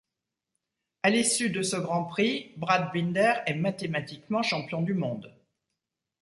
A l'issue de ce grand prix, Brad Binder est mathématiquement champion du monde.